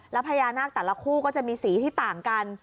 แล้วพญานาคแต่ละคู่ก็จะมีสีที่ต่างกัน